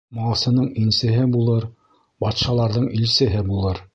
Малсының инсеһе булыр, батшаларҙың илсеһе булыр.